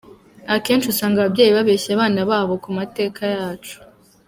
Akenshi usanga ababyeyi babeshya abana babo ku mateka yacu.